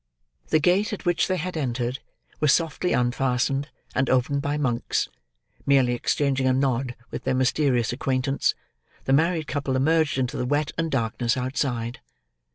The gate at which they had entered, was softly unfastened and opened by Monks; merely exchanging a nod with their mysterious acquaintance, the married couple emerged into the wet and darkness outside.